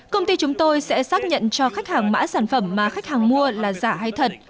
công ty chúng tôi sẽ xác nhận cho khách hàng mã sản phẩm mà khách hàng mua là giả hay thật